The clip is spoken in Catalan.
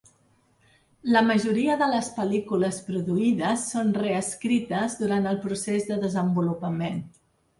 La majoria de les pel·lícules produïdes són reescrites durant el procés de desenvolupament.